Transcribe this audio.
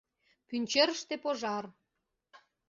Пӱнчерыште пожар.